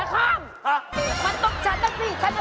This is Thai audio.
มันต้องฉันละสิเช่นที